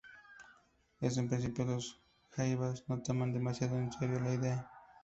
En un principio, Los Jaivas no toman demasiado en serio la idea.